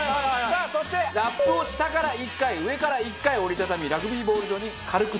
さあそしてラップを下から１回上から１回折り畳みラグビーボール状に軽く包んでください。